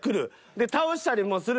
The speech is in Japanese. で倒したりもする。